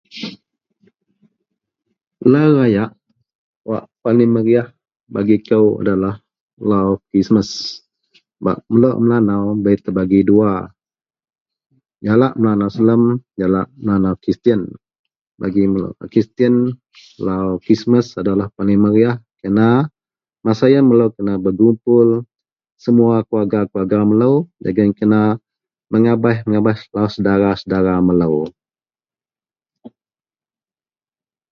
Lau rayak wak paling meriyah bagi kou ada lah Lau Krismas sebab melo a Melanau bei pebagi dua, jalak Melanau selem jalak Melanau Kristian bagi melo a Kristian Lau Krismas adalah paling meriyah kerana masa iyen melo kena bergumpul semua keluarga-keluarga melo dagen kena mengabaih-abaih saudara-saudara melo.